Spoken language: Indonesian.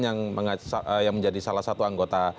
yang menjadi salah satu anggota